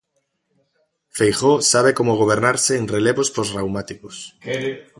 Feijóo sabe como gobernarse en relevos posraumáticos.